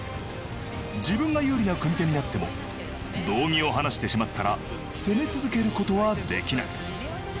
自分が有利な組み手になっても道着を離してしまったら攻め続けることはできない。